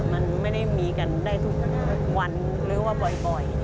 มันไม่ได้มีกันได้ทุกวันหรือว่าปล่อย